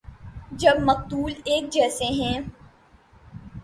جب مقتول ایک جیسے ہیں۔